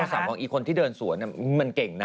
ก็มีโทรศัพท์ของอีคนที่เดินสวนเนี่ยมันเก่งนะ